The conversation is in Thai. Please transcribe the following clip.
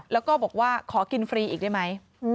แล้วก็บอกว่าขอกินฟรีอีกได้ไหม